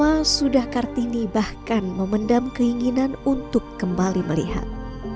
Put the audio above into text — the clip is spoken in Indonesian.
selama sudah kartini bahkan memendam keinginan untuk kembali melihat